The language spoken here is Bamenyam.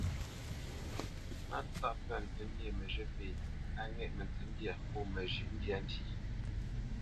Mátsáʼ pə́nə ntə́ nyê məzhə̂ pêʼ á ŋɛ̂ʼ mətsə̌ndyâ pó məzhyə́ ndyâ ntí.